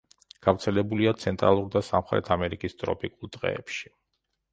გავრცელებულია ცენტრალურ და სამხრეთ ამერიკის ტროპიკულ ტყეებში.